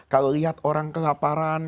kalau lihat orang kelaparan